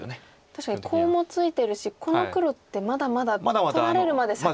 確かにコウもついてるしこの黒ってまだまだ取られるまで先が長いんですね。